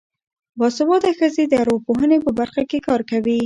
باسواده ښځې د ارواپوهنې په برخه کې کار کوي.